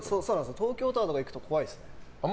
東京タワーとか行くと怖いですね。